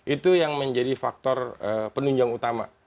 itu yang menjadi faktor penunjang utama